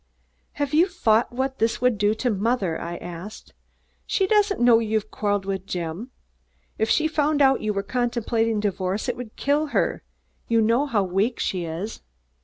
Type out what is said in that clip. "Have you thought what this would do to mother?" I asked. "She doesn't know you've quarreled with Jim. If she found out you were contemplating a divorce, it would kill her. You know how weak she is."